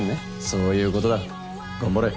そういうことだ頑張れ。